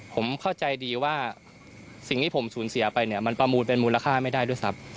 ผมเข้าใจดีว่าสิ่งที่ผมสูญเสียไปเนี่ยมันประมูลเป็นมูลค่าไม่ได้ด้วยซ้ำ